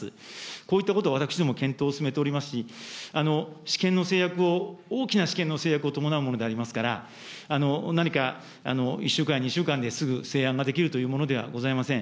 こういったことを私ども、検討進めておりますし、私権の制約を、大きな私権の制約を伴うものでありますから、何か１週間や２週間ですぐ成案ができるというものではございません。